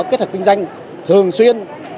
kết hợp kinh doanh thường xuyên